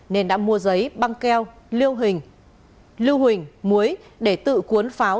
nên đã mua giấy băng keo lưu hình muối để tự cuốn pháo